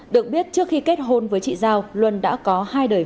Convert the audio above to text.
được biết trước khi kết hôn với chị giao luân đã có hai đời vợ và bảy người con